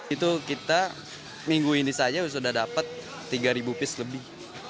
itu kita minggu ini saja sudah dapat tiga piece lebih